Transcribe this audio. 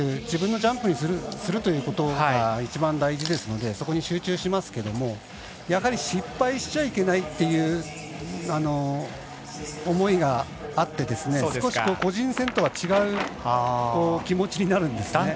自分のジャンプにするということが一番大事ですのでそこに集中しますがやはり失敗しちゃいけないっていう思いがあって少し個人戦とは違う気持ちになるんですね。